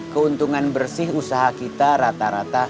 keuntungan bersih usaha kita rata rata